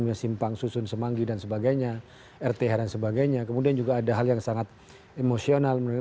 dia akan sebagai adalah ceo